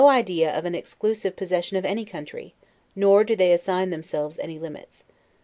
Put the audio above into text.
idea of an exclusive possession of any country; nor do they assign themselves any limits.